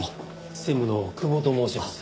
専務の久保と申します。